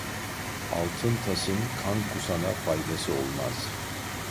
Altın tasın, kan kusana faydası olmaz!